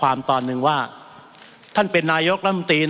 มันมีมาต่อเนื่องมีเหตุการณ์ที่ไม่เคยเกิดขึ้น